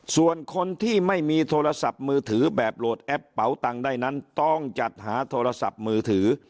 ส่วนคนที่ไม่มีโทรศัพท์มือถือแบบโหลดแอปเป๋าตังค์ได้นั้นต้องจัดหาโทรศัพท์มือถือ